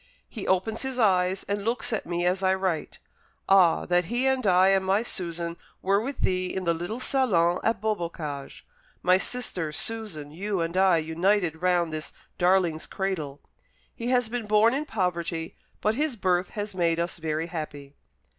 He opens his eyes, and looks at me as I write. Ah! that he and I and my Susan were with thee in the little salon at Beaubocage my sister, Susan, you, and I united round this darling's cradle. He has been born in poverty, but his birth has made us very happy."